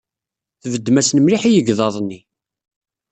Tbeddem-asen mliḥ i yegḍaḍ-nni.